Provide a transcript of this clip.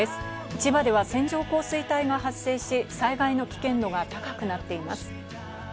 千葉では線状降水帯が発生し、災害の危険度が高くなっています。